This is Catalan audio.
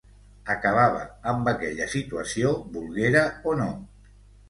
Acabava amb aquella situació, volguera o no.